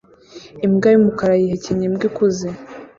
Imbwa yumukara yihekenya imbwa ikuze